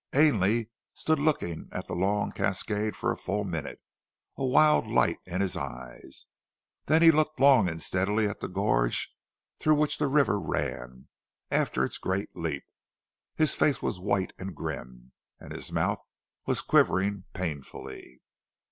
Ainley stood looking at the long cascade for a full minute, a wild light in his eyes, then he looked long and steadily at the gorge through which the river ran after its great leap. His face was white and grim, and his mouth was quivering painfully.